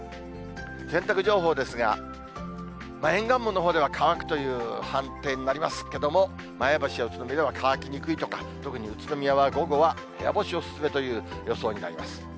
洗濯情報ですが、沿岸部のほうでは乾くという判定になりますけれども、前橋や宇都宮では乾きにくいとか、特に宇都宮は午後は部屋干しお勧めという予想になります。